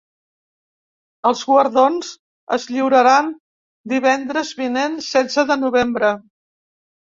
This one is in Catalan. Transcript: Els guardons es lliuraran divendres vinent, setze de novembre.